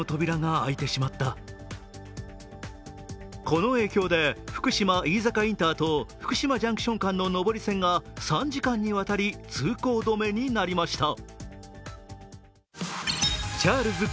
この影響で、福島飯坂インターと福島ジャンクション間の上り線が３時間にわたり通行止めになりました。